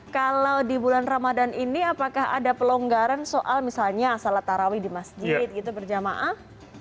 kalau di bulan ramadan ini apakah ada pelonggaran soal misalnya salat tarawih di masjid gitu berjamaah